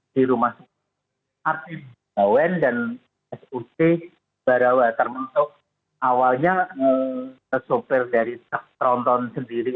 di rumah artim bawen dan sut barawa termentok awalnya pesopir dari taktronton sendiri